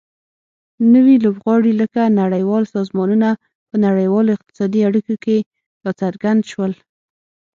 نوي لوبغاړي لکه نړیوال سازمانونه په نړیوالو اقتصادي اړیکو کې راڅرګند شول